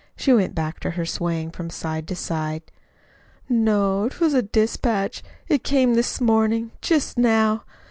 She went back to her swaying from side to side. "No, 'twas a dispatch. It came this mornin'. Just now.